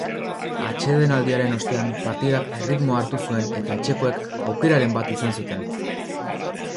Atsedenaldiaren ostean, partidak erritmoa hartu zuen eta etxekoek aukeraren bat izan zuten.